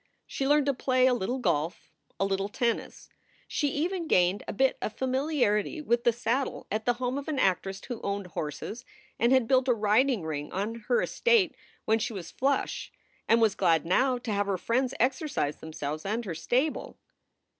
She learned to play a little golf, a little tennis. She even gained a bit of famili arity with the saddle at the home of an actress who owned horses and had built a riding ring on her estate when she was flush, and was glad now to have her friends exercise themselves and her stable.